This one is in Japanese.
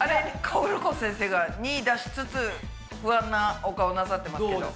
かおるこ先生が②出しつつ不安なお顔なさってますけど。